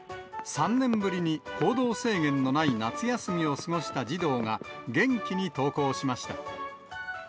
３年ぶりに行動制限のない夏休みを過ごした児童が元気に登校しました。